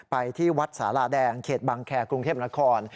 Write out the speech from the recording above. ไปที่วัดสาลาแดงเขตบังแคร์กรุงเทพนคร